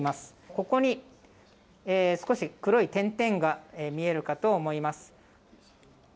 ここに少し黒い点々が見えるかと思います。